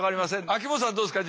秋元さんどうですか？